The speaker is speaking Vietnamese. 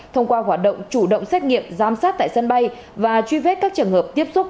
thông qua hoạt động chủ động xét nghiệm giám sát tại sân bay và truy vết các trường hợp tiếp xúc